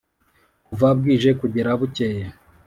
kuva bwije kugera bukeye